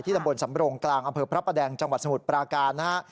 ตำบลสำรงกลางอำเภอพระประแดงจังหวัดสมุทรปราการนะฮะ